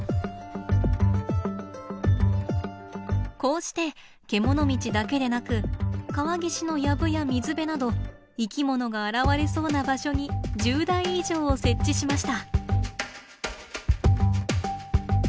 こうして獣道だけでなく川岸のやぶや水辺など生きものが現れそうな場所に１０台以上を設置しました。